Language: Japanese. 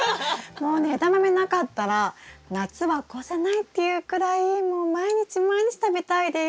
もうねエダマメなかったら夏は越せないっていうくらいもう毎日毎日食べたいです。